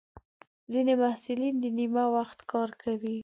ځینې محصلین د نیمه وخت کار کوي.